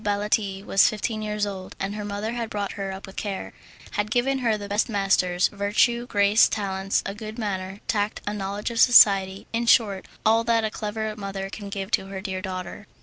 Baletti was fifteen years old, and her mother had brought her up with care, had given her the best masters, virtue, grace, talents, a good manner, tact, a knowledge of society in short, all that a clever mother can give to a dear daughter.